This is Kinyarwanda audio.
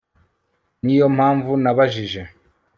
niyo mpamvu nabajije